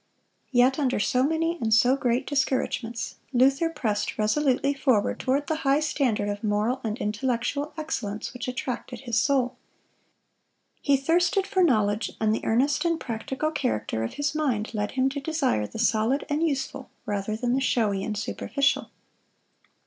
Yet under so many and so great discouragements, Luther pressed resolutely forward toward the high standard of moral and intellectual excellence which attracted his soul. He thirsted for knowledge, and the earnest and practical character of his mind led him to desire the solid and useful rather than the showy and superficial.